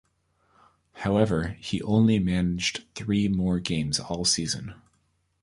However, he only managed three more games all season.